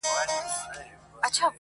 چي وايي~